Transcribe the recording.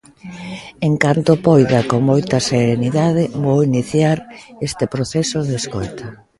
En canto poida, con moita serenidade, vou iniciar este proceso de escoita.